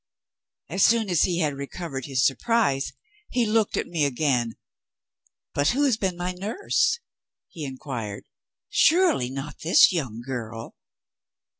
As soon as he had recovered his surprise, he looked at me again. 'But who has been my nurse?' he inquired; 'surely not this young girl?'